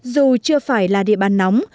dù chưa phải là địa bàn nóng